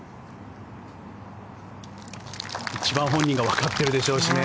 一番本人がわかってるでしょうしね。